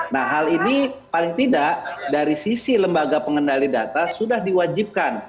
nah hal ini paling tidak dari sisi lembaga pengendali data sudah diwajibkan